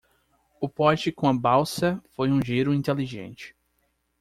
O pote com a balsa foi um giro inteligente.